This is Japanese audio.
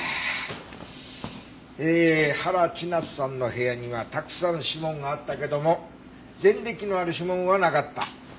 えー原千夏さんの部屋にはたくさん指紋があったけども前歴のある指紋はなかった。